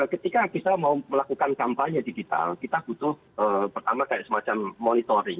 ketika kita mau melakukan kampanye digital kita butuh pertama kayak semacam monitoring